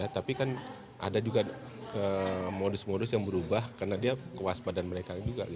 tapi kan ada juga modus modus yang berubah karena dia kewaspadaan mereka juga